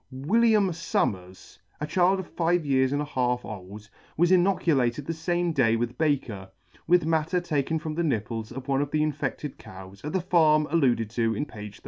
WILLIAM SUMMERS, a child of five years and a half old, was inoculated the fame day with Baker, with matter taken from the nipples of one of the infedted cows, at the farm alluded to in page 32.